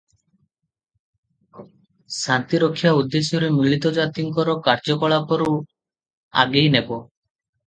ଶାନ୍ତିରକ୍ଷା ଉଦ୍ଦେଶ୍ୟରେ ମିଳିତ ଜାତିଙ୍କର କାର୍ଯ୍ୟକଳାପରୁ ଆଗେଇ ନେବ ।